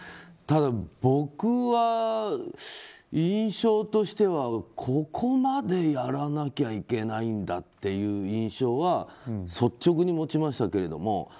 ただ、僕は印象としてはここまでやらなきゃいけないんだっていう印象は率直に持ちましたけれども。